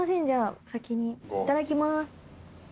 じゃあ先にいただきます。